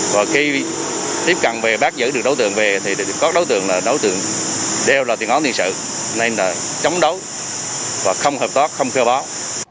và khi tiếp cận về bác giữ được đối tượng về thì các đối tượng đều là tiền ngón tiền sự nên là chống đấu và không hợp tác không kheo bó